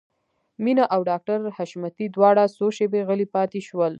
مينه او ډاکټر حشمتي دواړه څو شېبې غلي پاتې شول.